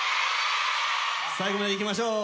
最後までいきましょう！